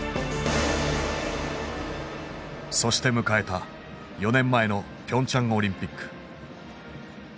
そして迎えた４年前のピョンチャン・オリンピック。